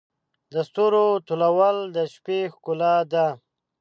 د ستورو تلؤل د شپې ښکلا ده.